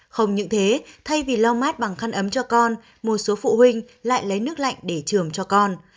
không những thế thay vì lau mát bằng khăn ấm cho con một số phụ huynh lại lấy nước lạnh để trường cho con